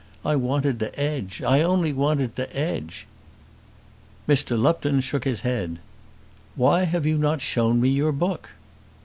I wanted to 'edge, I only wanted to 'edge." Mr. Lupton shook his head. "Why have you not shown me your book?"